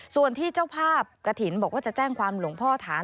ส่วนที่เจ้าภาพกระถิ่นบอกว่าจะแจ้งความหลวงพ่อฐาน